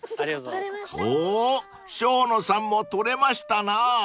［おお生野さんも採れましたな］